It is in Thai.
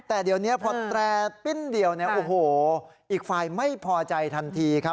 แต่เดี๋ยวนี้พอแตรปิ้นเดียวเนี่ยโอ้โหอีกฝ่ายไม่พอใจทันทีครับ